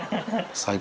最高。